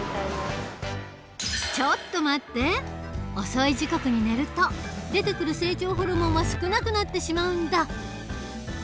遅い時刻に寝ると出てくる成長ホルモンは少なくなってしまうんだ。